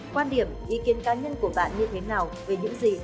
quan điểm ý kiến cá nhân của bạn như thế nào về những gì